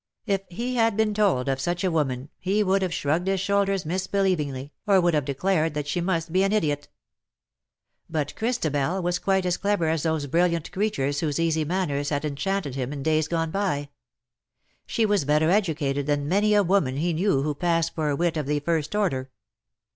If he had been told of such a woman he would have shrugged his shoulders misbelievingly, or would have declared that she must be an idiot. But Christabel was quite as clever as those brilliant creatures whose easy manners had enchanted him in days gone by. She was better educated than many a woman he knew who passed for a wit of the first order.